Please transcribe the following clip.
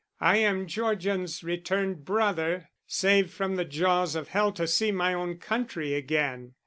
I am Georgian's returned brother, saved from the jaws of hell to see my own country again.